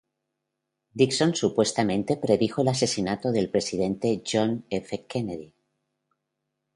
Dixon supuestamente predijo el asesinato del presidente John F. Kennedy.